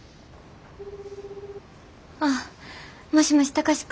ああもしもし貴司君？